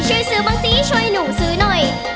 ช่วยซื้อบ้างสิช่วยหนูซื้อหน่อย